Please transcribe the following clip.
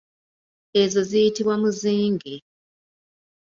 Ezo ziyitibwa muzinge.